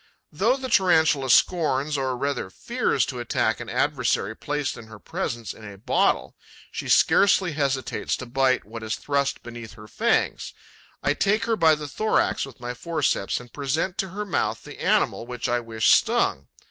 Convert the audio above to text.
Though the Tarantula scorns or rather fears to attack an adversary placed in her presence in a bottle, she scarcely hesitates to bite what is thrust beneath her fangs. I take her by the thorax with my forceps and present to her mouth the animal which I wish stung.